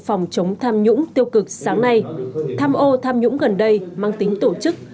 phòng chống tham nhũng tiêu cực sáng nay tham ô tham nhũng gần đây mang tính tổ chức